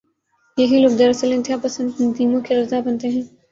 یہی لوگ دراصل انتہا پسند تنظیموں کی غذا بنتے ہیں۔